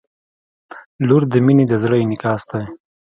• لور د مینې د زړه انعکاس دی.